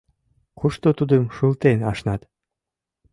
Кушто тудым шылтен ашнат?..